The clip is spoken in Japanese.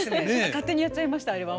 勝手にやっちゃいましたあれは。